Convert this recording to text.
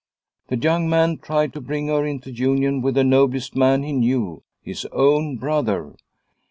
The young man tried to bring her into union with the noblest man he knew his own brother.